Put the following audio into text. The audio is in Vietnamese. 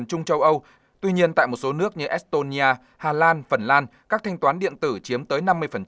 nhưng tại một số nước như estonia hà lan phần lan các thanh toán điện tử chiếm tới năm mươi